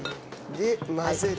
で混ぜる。